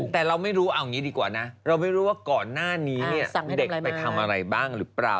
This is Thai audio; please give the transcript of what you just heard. แต่เราไม่รู้เอาอย่างนี้ดีกว่านะเราไม่รู้ว่าก่อนหน้านี้เนี่ยเด็กไปทำอะไรบ้างหรือเปล่า